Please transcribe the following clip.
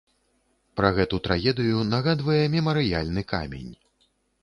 Пра гэту трагедыю нагадвае мемарыяльны камень.